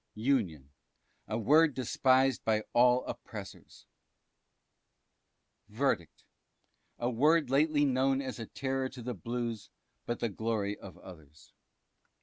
Union. A word despised by all Oppressors. Verdict. A word lately known as a Terror to the Blues, but the Glory of others.